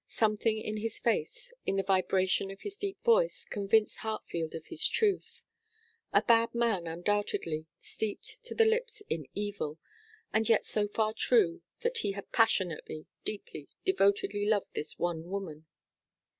Something in his face, in the vibration of his deep voice, convinced Hartfield of his truth. A bad man undoubtedly steeped to the lips in evil and yet so far true that he had passionately, deeply, devotedly loved this one woman.